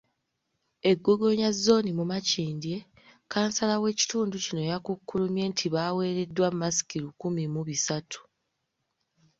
E Gogonya zooni mu Makindye, kansala w’ekitundu kino yakukkulumye nti baweereddwa masiki lukumi mu bisatu.